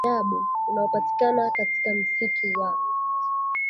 mmea wa ajabu unaopatikana katika msitu wa